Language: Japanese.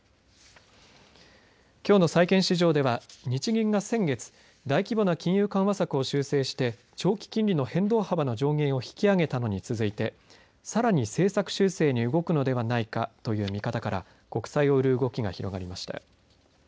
きょうの債券市場では日銀が先月大規模な金融緩和策を修正して長期金利の変動幅の上限を引き上げたのに続いてさらに政策修正に動くのでないかという見方から国債を売る動きが広がりました。